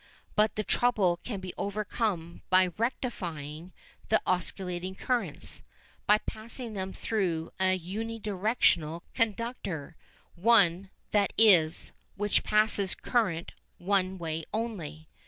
But the trouble can be overcome by "rectifying" the oscillating currents, by passing them through a "unidirectional" conductor one, that is, which passes current one way only.